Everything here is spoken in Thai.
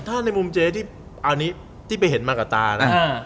ถ้าในมุมเจที่ไปเห็นมากับตานะ